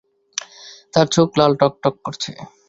তার চোখ লাল টকটক করছে।